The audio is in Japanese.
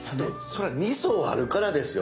それは二層あるからですよね。